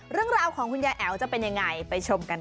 เรื่องราวของคุณยายแอ๋วจะเป็นยังไงไปชมกันค่ะ